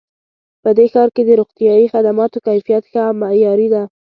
په دې ښار کې د روغتیایي خدماتو کیفیت ښه او معیاري ده